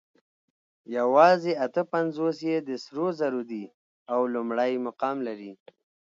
یواځې اته پنځوس یې د سرو زرو دي او لومړی مقام لري